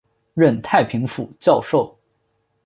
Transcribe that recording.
任太平府教授。